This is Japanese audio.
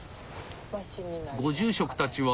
ご住職たちは。